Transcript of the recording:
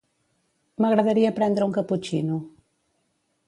M'agradaria prendre un caputxino.